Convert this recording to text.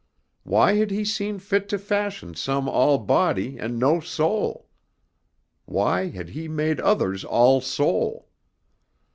Why had He seen fit to fashion some all body and no soul? Why had He made others all soul?